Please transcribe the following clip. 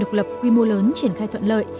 đặc lập quy mô lớn triển khai thuận lợi